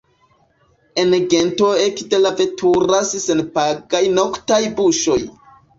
En Gento ekde la veturas senpagaj noktaj busoj.